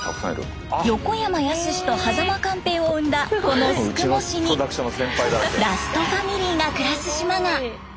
横山やすしと間寛平を生んだこの宿毛市にラストファミリーが暮らす島が。